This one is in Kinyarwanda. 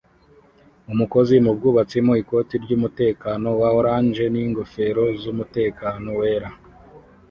Umukozi wubwubatsi mu ikoti ryumutekano wa orange n'ingofero z'umutekano wera